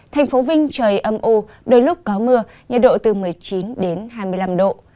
thành phố vinh trời âm ô đôi lúc có mưa nhiệt độ từ một mươi chín đến hai mươi năm độ